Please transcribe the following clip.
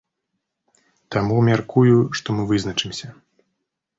Таму, мяркую, што мы вызначымся.